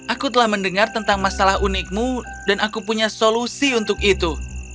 aku telah mendengar tentang masalah unikmu dan aku punya solusi untuk itu